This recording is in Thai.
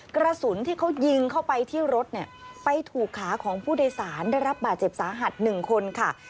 กระสุนที่เขายิงเข้าไปที่รถเนี่ยไปถูกขาของผู้โดยสารได้รับบาดเจ็บสาหัส๑คนค่ะ